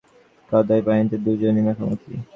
কাদায় পানিতে দু জনই মাখামাখি।